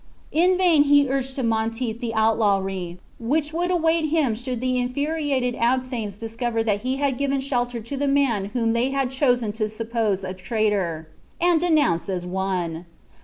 In vain he urged to Monteith the outlawry which would await him should the infuriated abthanes discover that he had given shelter to the man whom they had chosen to suppose a traitor, and denounce as one.